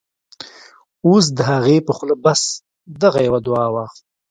اوس د هغې په خوله بس، دغه یوه دعاوه